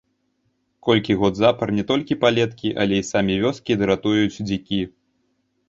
Колькі год запар не толькі палеткі, але і самі вёскі дратуюць дзікі.